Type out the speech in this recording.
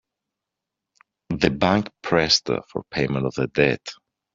The bank pressed for payment of the debt.